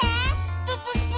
プププ！